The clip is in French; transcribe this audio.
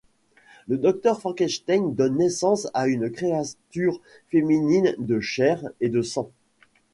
Le docteur Frankenstein donne naissance à une créature féminine de chair et de sang...